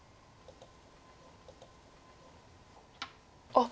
あっ。